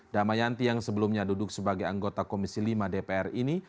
damayanti yang sebelumnya duduk sebagai anggota komisi lima dpr ini